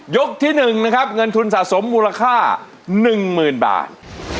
ยกที่หนึ่งนะครับเงินทุนสะสมมูลค่า๑หมื่นบาท